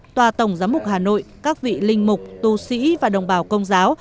tòa tổng giám mục hà nội các vị linh mục tu sĩ và đồng bào công giáo